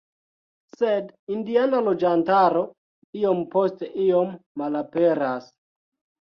Sed indiana loĝantaro iom post iom malaperas.